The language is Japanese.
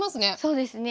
そうですね。